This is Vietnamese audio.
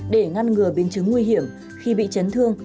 để ngăn ngừa biến chứng nguy hiểm khi bị chấn thương